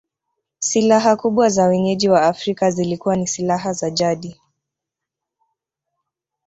Silaha kubwa za wenyeji wa Afrika zilikuwa ni silaha za jadi